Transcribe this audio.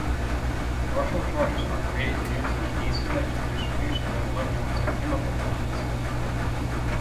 Partial charges are created due to the asymmetric distribution of electrons in chemical bonds.